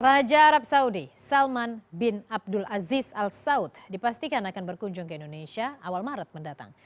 raja arab saudi salman bin abdul aziz al saud dipastikan akan berkunjung ke indonesia awal maret mendatang